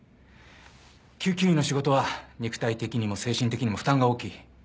救急医の仕事は肉体的にも精神的にも負担が大きい。